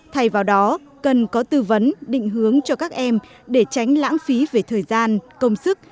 thay vào đó cần có tư vấn định hướng cho các em để tránh lãng phí về thời gian công sức